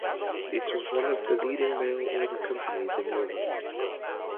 It was one of the leading mail order companies in Europe.